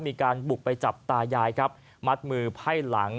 มีการบุกไปจับตายายครับมัดมือไพ่หลัง